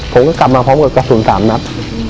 ผมก็กลับมาพร้อมกับกระสุน๓นัด